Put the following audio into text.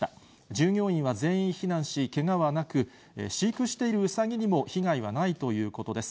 従業員は全員避難し、けがはなく、飼育しているウサギにも被害はないということです。